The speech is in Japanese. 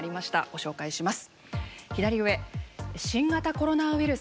ご紹介します。